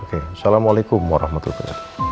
oke assalamualaikum warahmatullahi wabarakatuh